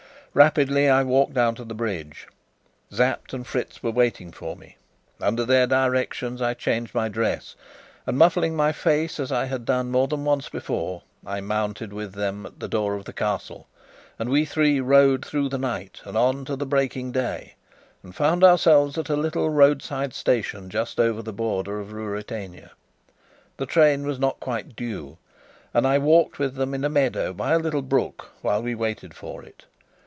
Rapidly I walked down to the bridge. Sapt and Fritz were waiting for me. Under their directions I changed my dress, and muffling my face, as I had done more than once before, I mounted with them at the door of the Castle, and we three rode through the night and on to the breaking day, and found ourselves at a little roadside station just over the border of Ruritania. The train was not quite due, and I walked with them in a meadow by a little brook while we waited for it.